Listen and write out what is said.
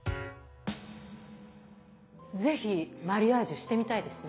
是非マリアージュしてみたいですね。